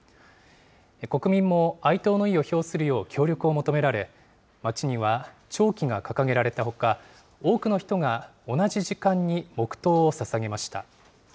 国民も哀悼の意を表するよう協力を求められ、街には、弔旗が掲げられたほか、多くの人が同じ時間に黙とうをささげました。